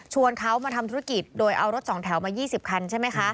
เขามาทำธุรกิจโดยเอารถสองแถวมา๒๐คันใช่ไหมคะ